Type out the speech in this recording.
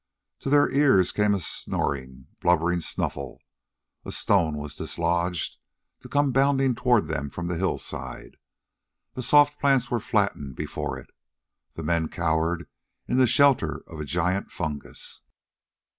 To their ears came a snoring, blubbering snuffle. A stone was dislodged, to come bounding toward them from the hillside; the soft plants were flattened before it. The men cowered in the shelter of a giant fungus.